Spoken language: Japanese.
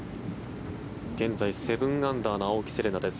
現在、７アンダーの青木瀬令奈です。